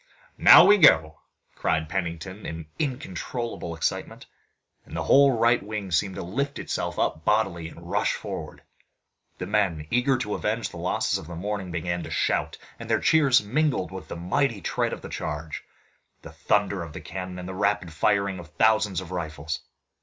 "Now we go!" cried Pennington in uncontrollable excitement, and the whole right wing seemed to lift itself up bodily and rush forward. The men, eager to avenge the losses of the morning, began to shout, and their cheers mingled with the mighty tread of the charge, the thunder of the cannon and the rapid firing of thousands of rifles.